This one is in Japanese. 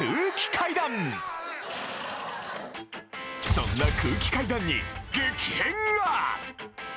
そんな空気階段に激変が！